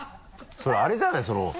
それあれじゃない？